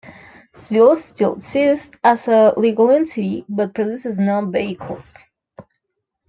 ZiL still exists as a legal entity, but produces no vehicles.